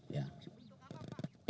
itu apa pak